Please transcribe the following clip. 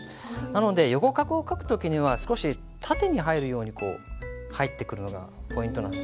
なので横画を書く時には少し縦に入るようにこう入ってくるのがポイントなんですね。